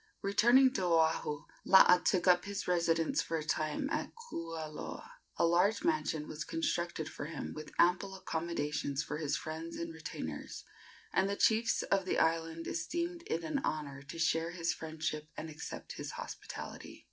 Returning to Oahu, Laa took up his residence for a time at Kualoa. A large mansion was constructed for him, with ample accommodations for his friends and retainers, and the chiefs of the island esteemed it an honor to share his friendship and accept his hospitality.